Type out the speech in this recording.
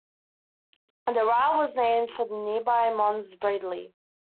The rille was named for the nearby Mons Bradley.